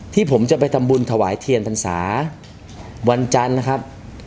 ที่ผมจะไปทำบุญถวายเทียนพรรษาวันจันทร์นะครับ